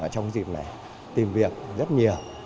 trong dịp này tìm việc rất nhiều